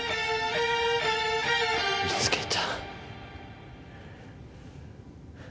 見つけた。